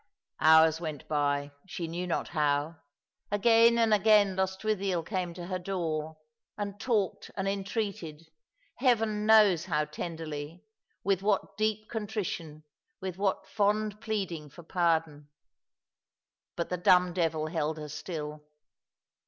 Hours went by, she knew not how. Again and again Lost withiel came to her door, and talked and entreated — Heaven knows how tenderly — with what deep contrition, with what fond pleading for pardon. But the dumb devil held her still.